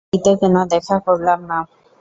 বাড়িতে কেন দেখা করলাম না?